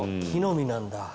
木の実なんだ。